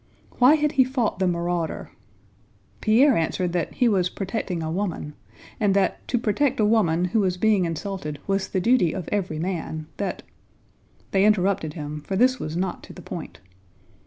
Why had he fought the marauder? Pierre answered that he "was protecting a woman," and that "to protect a woman who was being insulted was the duty of every man; that..." They interrupted him, for this was not to the point.